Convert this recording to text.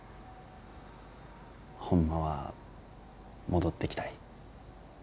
ホンマは戻ってきたい。